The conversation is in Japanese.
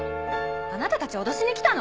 あなたたち脅しに来たの？